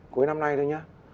cuối năm nay thôi nhé